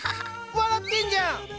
笑ってんじゃん！